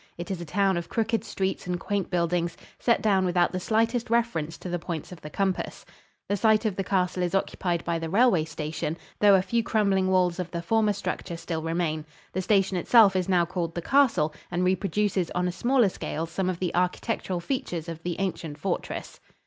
It is a town of crooked streets and quaint buildings, set down without the slightest reference to the points of the compass. The site of the castle is occupied by the railway station, though a few crumbling walls of the former structure still remain. The station itself is now called The Castle and reproduces on a smaller scale some of the architectural features of the ancient fortress.